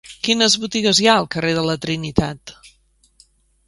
Quines botigues hi ha al carrer de la Trinitat?